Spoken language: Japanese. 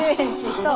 そう？